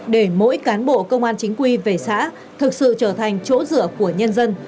để mỗi cán bộ công an chính quy về xã thực sự trở thành chỗ dựa của nhân dân